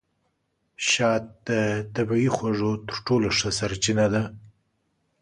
شات د طبیعي خوږو تر ټولو ښه سرچینه ده.